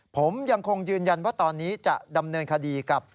ผมยังคงยืนยันว่าตอนนี้จะดำเนินคดีกับ